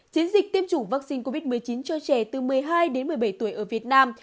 chiến dịch tiêm chủng vaccine covid một mươi chín cho trẻ từ một mươi hai đến một mươi bảy tuổi ở việt nam